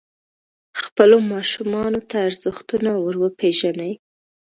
خپلو ماشومانو ته ارزښتونه وروپېژنئ.